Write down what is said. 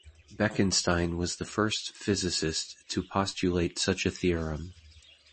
Bekenstein was the first physicist to postulate such a theorem.